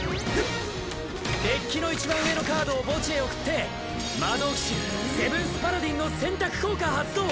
デッキのいちばん上のカードを墓地へ送って魔導騎士−セブンス・パラディンの選択効果発動！